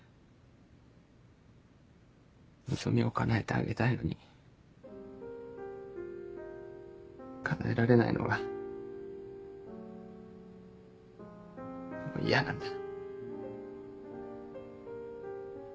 望みをかなえてあげたいのにかなえられないのがもう嫌なんだ。